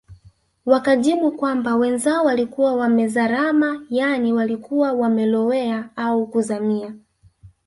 Wakajibu kwamba wenzao walikuwa wamezarama yaani walikuwa wamelowea au kuzamia